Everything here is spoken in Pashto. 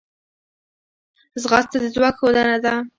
ځغاسته د ځواک ښودنه ده